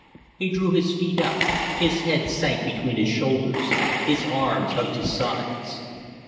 He drew his feet up, his head sank between his shoulders, his arms hugged his sides.